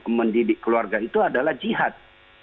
ya dan mendidik keluarga itu adalah jihad